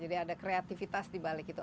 jadi ada kreativitas di balik itu